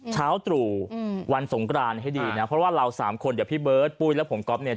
เช้าตรู่วันสงกรานให้ดีนะเพราะว่าเราสามคนเดี๋ยวพี่เบิร์ตปุ้ยและผมก๊อฟเนี่ย